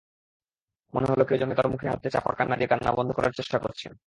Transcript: মনে হল কেউ যেন তার মুখে হাত চাপা দিয়ে কান্না বন্ধ করার চেষ্টা করছে।